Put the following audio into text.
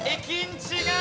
違う！